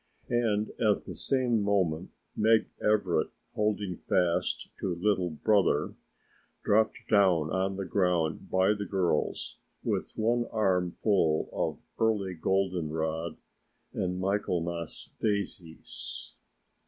And at the same moment Meg Everett holding fast to Little Brother dropped down on the ground by the girls with one arm full of early goldenrod and Michaelmas daisies.